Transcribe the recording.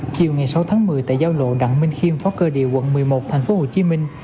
chiều ngày sáu tháng một mươi tại giao lộ đặng minh khiêm phó cơ địa quận một mươi một thành phố hồ chí minh